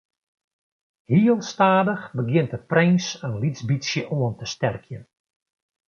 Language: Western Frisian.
Heel stadich begjint de prins in lyts bytsje oan te sterkjen.